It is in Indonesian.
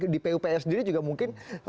di pupr sendiri juga mungkin